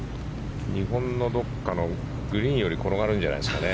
日本のどこかのグリーンより転がるんじゃないですかね？